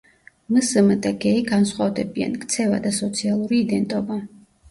მსმ და გეი განსხვავდებიან: ქცევა და სოციალური იდენტობა.